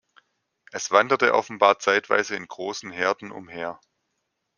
Es wanderte offenbar zeitweise in großen Herden umher.